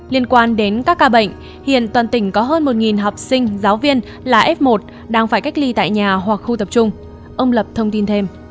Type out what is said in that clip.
liên quan đến các ca bệnh hiện toàn tỉnh có hơn một học sinh giáo viên là f một đang phải cách ly tại nhà hoặc khu tập trung ông lập thông tin thêm